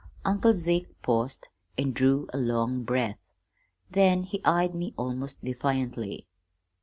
Uncle Zeke paused, and drew a long breath. Then he eyed me almost defiantly.